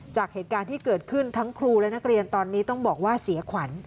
จากเหตุการณ์ที่เกิดขึ้นทั้งครูและนักเรียนตอนนี้ต้องบอกว่าเสียขวัญ